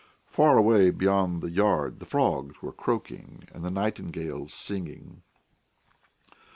Far away beyond the yard the frogs were croaking and the nightingales singing.